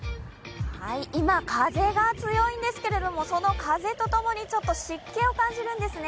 今、風が強いんですけどその風とともにちょっと湿気を感じるんですね。